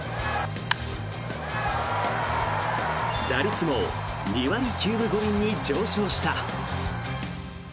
打率も２割９分５厘に上昇した。